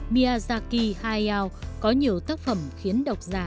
miyazaki hayao có nhiều tác phẩm khiến độc giả